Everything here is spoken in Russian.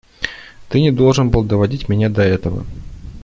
Ты не должен был доводить меня до этого.